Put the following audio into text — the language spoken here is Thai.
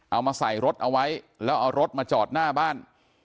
เอามาใส่รถเอาไว้แล้วเอารถมาจอดหน้าบ้าน